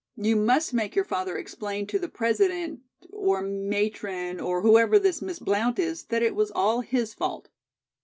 You must make your father explain to the President or Matron or whoever this Miss Blount is, that it was all his fault."